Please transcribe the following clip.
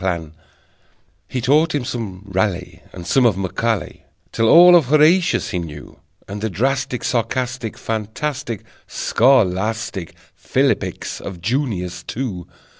He taught him some Raleigh, And some of Macaulay, Till all of "Horatius" he knew, And the drastic, sarcastic, Fantastic, scholastic Philippics of "Junius," too.